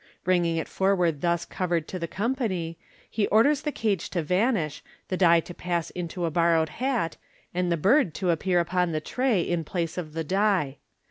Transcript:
Bringing it forward thus covered to the company, he orders the care to vanish, the Fig. 253. die to pass into a borrowed hat, and the bird to appear upon the tray in place of the die.